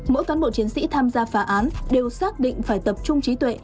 mỗi cán bộ chiến sĩ tham gia phá án đều xác định phải tập trung trí tuệ